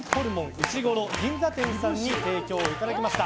うしごろ銀座店さんに提供いただきました